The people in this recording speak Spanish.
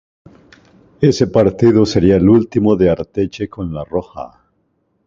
Ese partido sería el último de Arteche con "La Roja".